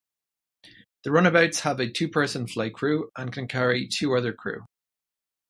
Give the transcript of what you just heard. The runabouts have a two-person flight crew, and can carry two other crew.